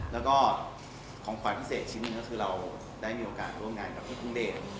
แล้วก็ของขวัญพิเศษชิ้นหนึ่งก็คือเราได้มีโอกาสร่วมงานกับพี่คงเดช